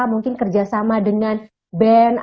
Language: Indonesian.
mungkin kerjasama dengan band